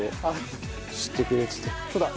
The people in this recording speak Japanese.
そうだ。